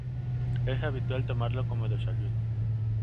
Es habitual tomarlo como desayuno.